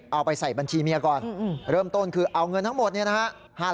เอาไปใส่บัญชีเมียก่อนเริ่มต้นคือเอาเงินทั้งหมดเนี่ยนะฮะ